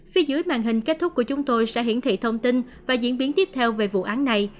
phía dưới màn hình kết thúc của chúng tôi sẽ hiển thị thông tin và diễn biến tiếp theo về vụ án này